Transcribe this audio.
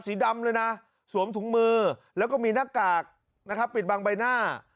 สีดำเลยนะสวมถุงมือแล้วก็มีหน้ากากนะครับปิดบังใบหน้า